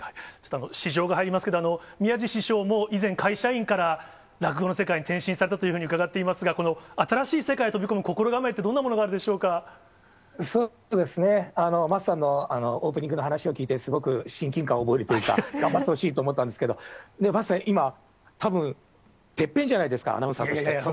私情が入りますけれども、宮治師匠も以前、会社員から落語の世界に転身されたというふうに伺っていますが、この新しい世界に飛び込む心構えって、どんなものがあるでしょうそうですね、桝さんのオープニングの話を聞いて、すごく親近感を覚えるというか、頑張ってほしいと思ったんですけど、桝さん、今、たぶん、てっぺんじゃないですか、アナウンサーとして。